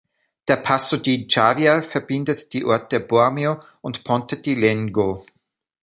Der Passo di Gavia verbindet die Orte Bormio und Ponte di Legno.